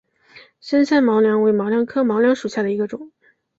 深山毛茛为毛茛科毛茛属下的一个种。